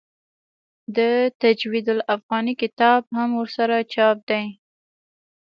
د تجوید الافغاني کتاب هم ورسره چاپ دی.